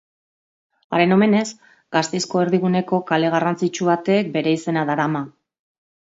Haren omenez Gasteizko erdiguneko kale garrantzitsu batek bere izena darama.